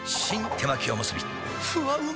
手巻おむすびふわうま